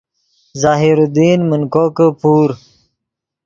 ظاہر الدین من کوکے پور